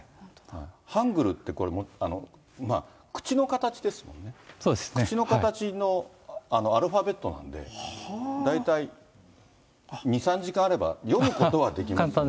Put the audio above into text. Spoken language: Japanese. ハングルってこれ、口の形ですも口の形のアルファベットなんで、大体２、３時間あれば読むことはできます。